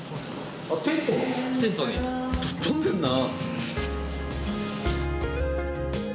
ぶっとんでんな！